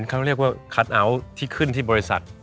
เขาเรียกว่าคัทเอาท์ที่ขึ้นที่บริษัท